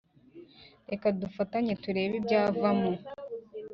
Reka dufatanye turebe ibyavamo